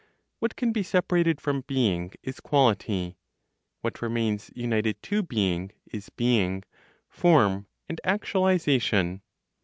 What can be separated from being is quality; what remains united to being is being, form, and actualization.